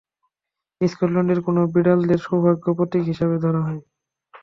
স্কটল্যান্ডে, কালো বিড়ালদের সৌভাগ্যের প্রতিক হিসেবে ধরা হয়।